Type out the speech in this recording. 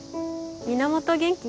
源元気？